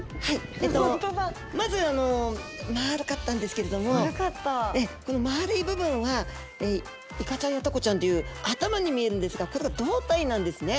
えっとまずまあるかったんですけれどもこのまあるい部分はイカちゃんやタコちゃんでいう頭に見えるんですがこれが胴体なんですね。